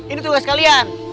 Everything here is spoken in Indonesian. ini tugas kalian